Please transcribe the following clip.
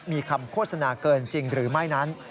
มีคำโฆษณาเกินจริงหรือไม่นั้น